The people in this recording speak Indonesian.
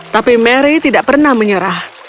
tapi mary tidak pernah menyerah